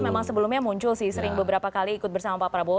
memang sebelumnya muncul sih sering beberapa kali ikut bersama pak prabowo